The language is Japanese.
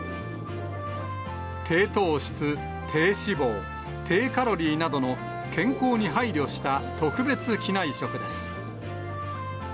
低糖質、低脂肪、低カロリーなどの健康に配慮した特別機内食です。